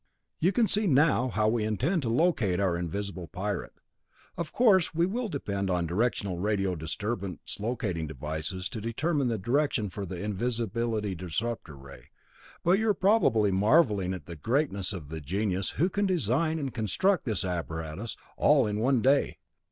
"You can see now how we intend to locate our invisible pirate. Of course we will depend on directional radio disturbance locating devices to determine the direction for the invisibility disrupter ray. But you are probably marvelling at the greatness of the genius who can design and construct this apparatus all in one day.